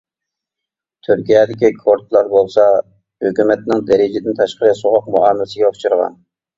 تۈركىيەدىكى كۇردلار بولسا ھۆكۈمەتنىڭ دەرىجىدىن تاشقىرى سوغۇق مۇئامىلىسىگە ئۇچرىغان.